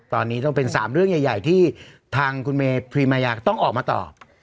ตอนนี้ต้องเป็น๓เรื่องใหญ่ที่ทางคุณเมพรีมายาต้องออกมาตอบ